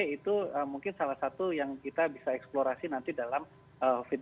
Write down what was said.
itu mungkin salah satu yang kita bisa eksplorasi nanti dalam fitnah